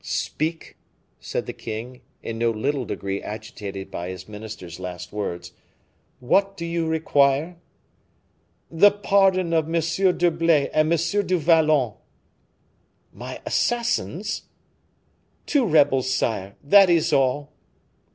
"Speak," said the king, in no little degree agitated by his minister's last words. "What do you require?" "The pardon of M. d'Herblay and of M. du Vallon." "My assassins?" "Two rebels, sire, that is all."